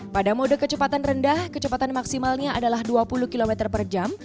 pada mode kecepatan rendah kecepatan maksimalnya adalah dua puluh km per jam